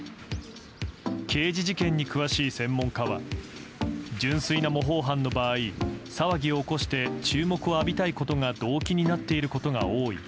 刑事事件に詳しい専門家は純粋な模倣犯の場合騒ぎを起こして注目を浴びたいことが動機になっていることが多い